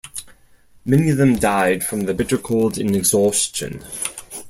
Many of them died from the bitter cold and exhaustion.